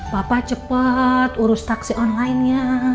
papa cepat urus taksi online nya